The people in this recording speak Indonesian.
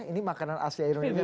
ini makanan asli indonesia